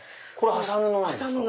麻布なんです。